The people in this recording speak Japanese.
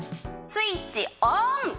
スイッチオン！